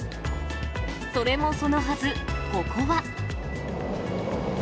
それもそのはず、ここは。